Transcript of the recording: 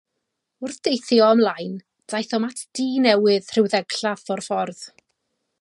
Wrth deithio ymlaen, daethom at dŷ newydd rhyw ddegllath o'r ffordd.